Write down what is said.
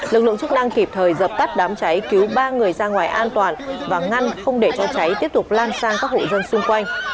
lực lượng chức năng kịp thời dập tắt đám cháy cứu ba người ra ngoài an toàn và ngăn không để cho cháy tiếp tục lan sang các hộ dân xung quanh